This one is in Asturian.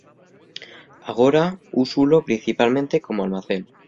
Agora úsolu principalmente como almacén.